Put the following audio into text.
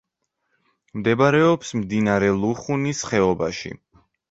მდებარეობს მდინარე ლუხუნის ხეობაში.